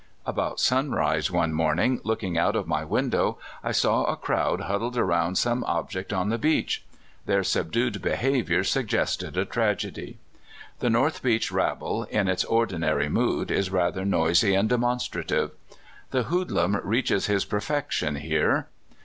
About sunrise one morning, looking out of my window, I saw a crowd huddled around some ob ject on the beach. Their subdued behavior sug gested a tragedy. The North Beach rabble, in its ordinary mood, is rather noisy and demonstrative. The hoodlum reaches his perfection here.